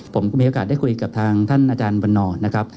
ผมมีโอกาสได้คุยกับทางอาจารย์วันนอร์